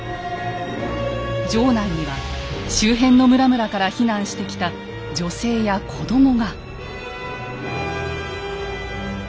城内には周辺の村々から避難してきた女性や子どもが。